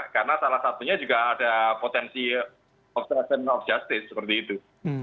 karena salah satunya juga ada potensi of justice seperti itu